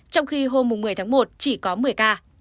trong khi hôm một mươi tháng một chỉ có một mươi ca